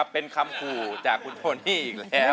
เป็นคำขู่จากคุณโทนี่อีกแล้ว